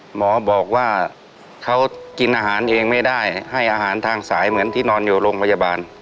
หมอบอกว่าเขากินอาหารเองไม่ได้ให้อาหารทางสายเหมือนที่นอนอยู่โรงพยาบาล